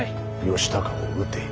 義高を討て。